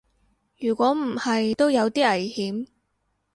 如果唔係都有啲危險